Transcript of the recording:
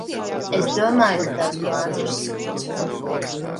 Es domāju, ka tavs plāns ir sūds.